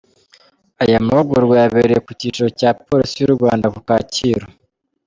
Aya mahugurwa yabereye ku cyicaro cya Polisi y’u Rwanda ku Kacyiru.